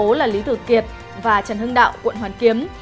đó là lý thừa kiệt và trần hưng đạo quận hoàn kiếm